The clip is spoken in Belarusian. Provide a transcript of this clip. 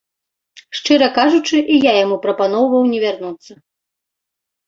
Шчыра кажучы, і я яму прапаноўваў не вярнуцца.